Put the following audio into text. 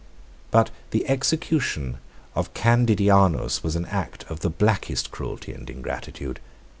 But the execution of Candidianus was an act of the blackest cruelty and ingratitude.